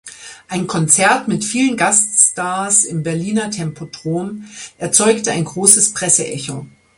Ein Konzert mit vielen Gast-Stars im Berliner Tempodrom erzeugte ein großes Presse-Echo.